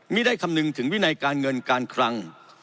ได้คำนึงถึงวินัยการเงินการคลัง